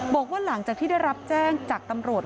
บอกว่าหลังจากที่ได้รับแจ้งจากตำรวจ